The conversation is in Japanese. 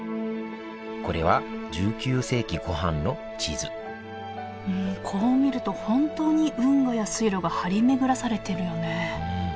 これは１９世紀後半の地図こう見ると本当に運河や水路が張り巡らされてるよね